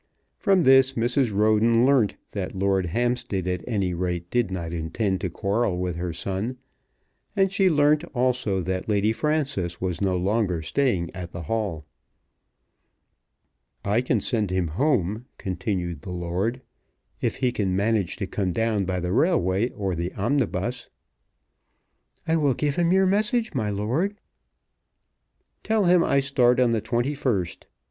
From this Mrs. Roden learnt that Lord Hampstead at any rate did not intend to quarrel with her son, and she learnt also that Lady Frances was no longer staying at the Hall. "I can send him home," continued the lord, "if he can manage to come down by the railway or the omnibus." "I will give him your message, my lord." "Tell him I start on the 21st.